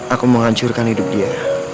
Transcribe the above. aku menghancurkan hidup dia